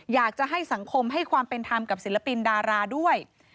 อยากจะให้สังคมให้ความเป็นธรรมกับศิลปินดาราด้วย